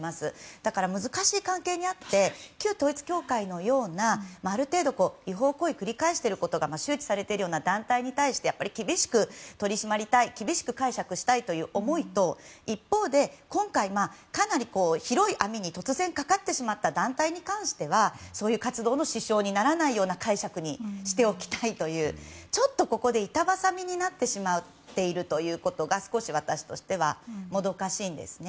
だから難しい関係にあって旧統一教会のようなある程度違法行為を繰り返していることが周知されているような団体に対して厳しく取り締まりたい厳しく解釈したいという思いと一方で今回、かなり広い網に突然かかってしまった団体に関してはそういう活動の支障にならないような解釈にしておきたいというちょっと、ここで板挟みになってしまっているということが少し私としてはもどかしいんですね。